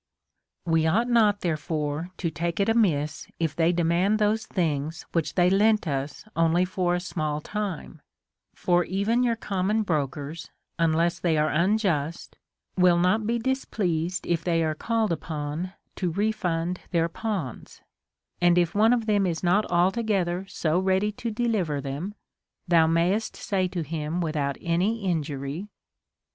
ΛΥβ ought not therefore to take it amiss if they demand those things which they lent us only for a small time ; for even your common brokers, unless they are unjust, will not be displeased if they are called upon to refund their pawns, and if one of them is not altogether so ready to deliver them, thou mayst say to him Avithout any injury.